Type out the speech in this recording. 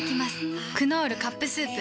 「クノールカップスープ」